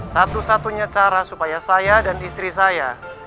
satu satunya cara supaya saya dan istri saya